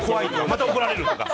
また怒られる！とか。